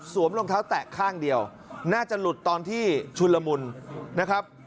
รองเท้าแตะข้างเดียวน่าจะหลุดตอนที่ชุนละมุนนะครับ